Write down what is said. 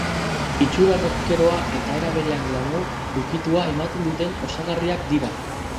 Itxura rockeroa eta era berean glamour ukitua ematen duten osagarriak dira.